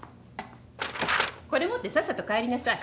これ持ってさっさと帰りなさい。